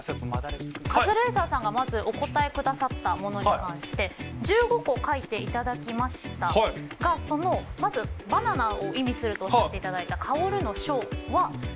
カズレーザーさんがまずお答えくださったものに関して１５個書いていただきましたがそのまずバナナを意味するとおっしゃっていただいたあそうなんだ。